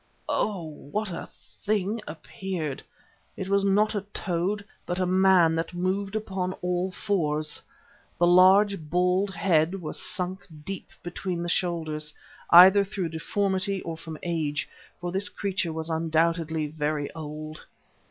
Oh! what a thing appeared! It was not a toad, but a man that moved upon all fours. The large, bald head was sunk deep between the shoulders, either through deformity or from age, for this creature was undoubtedly very old.